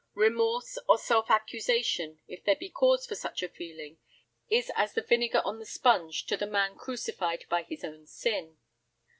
Remorse or self accusation, if there be cause for such a feeling, is as the vinegar on the sponge to the man crucified by his own sin.